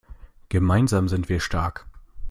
Gemeinsam sind wir stark.